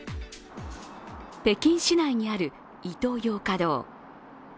北京市内にあるイトーヨーカドー。